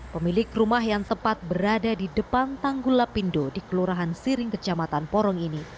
pemilik rumah yang tepat berada di depan tanggul lapindo di kelurahan siring kecamatan porong ini